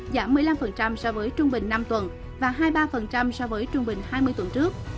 giảm một mươi năm so với trung bình năm tuần và hai mươi ba so với trung bình hai mươi tuần trước